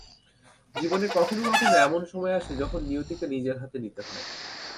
জীবনে কখনো কখনো এমন সময় আসে যখন নিয়তিকে নিজের হাতে নিতে হয়।